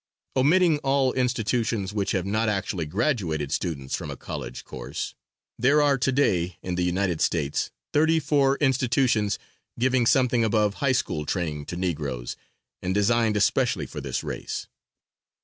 Omitting all institutions which have not actually graduated students from a college course, there are to day in the United States thirty four institutions giving something above high school training to Negroes and designed especially for this race.